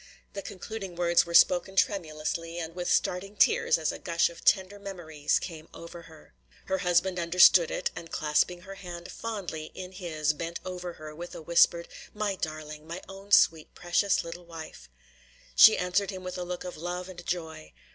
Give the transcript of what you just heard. The concluding words were spoken tremulously and with starting tears as a gush of tender memories came over her. Her husband understood it, and clasping her hand fondly in his bent over her with a whispered, "My darling! my own sweet precious little wife!" She answered him with a look of love and joy.